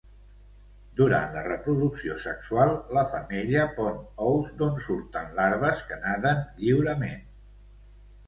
Durant la reproducció sexual la femella pon ous d'on surten larves que naden lliurement.